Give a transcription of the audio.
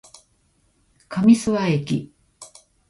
上諏訪駅